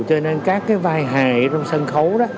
cho nên các vai hài trong sân khấu